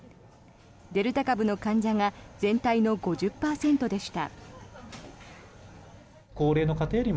デルタ株の患者が全体の５０％でした。